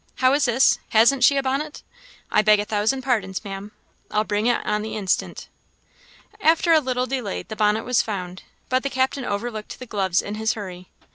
"How is this? hasn't she a bonnet? I beg a thousand pardons, Maam I'll bring it on the instant." After a little delay, the bonnet was found, but the captain overlooked the gloves in his hurry.